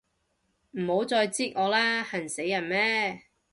唔好再擳我啦，痕死人咩